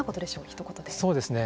ひと言で。